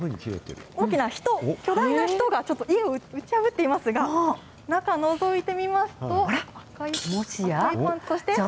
大きな人、巨大な人が、ちょっと家を打ち破っていますが、中のぞいてみますと、赤いパンツ、そして。